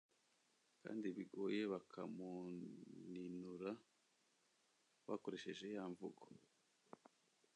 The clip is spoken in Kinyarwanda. kandi bigoye bakamuninura bakoresheje ya mvugo.